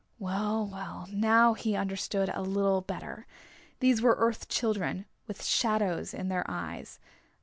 Well, well, now he understood a little better. These were Earth Children, with shadows in their eyes.